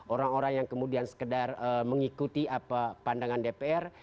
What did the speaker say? orang orang yang kemudian sekedar mengikuti pandangan dpr